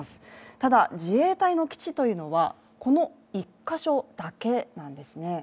ただ自衛隊の基地というのは、この１か所だけなんですね。